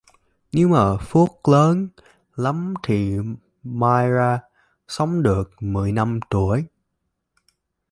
Nếu mà phúc lớn lắm thì may ra sống được mười năm tuổi